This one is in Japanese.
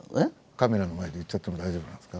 カメラの前で言っちゃっても大丈夫なんですか？